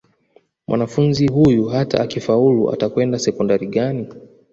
mwanafunzi huyu hata akifaulu atakwenda sekondari gani